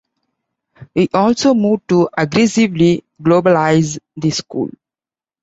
He also moved to aggressively globalize the School.